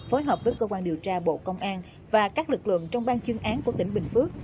phối hợp với cơ quan điều tra bộ công an và các lực lượng trong ban chuyên án của tỉnh bình phước